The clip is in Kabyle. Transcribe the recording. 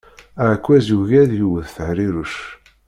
Aɛekkaz yugi ad yewwet Tehriruc.